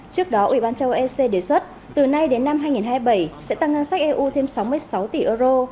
trước đó ủy ban châu âu ec đề xuất từ nay đến năm hai nghìn hai mươi bảy sẽ tăng ngân sách eu thêm sáu mươi sáu tỷ euro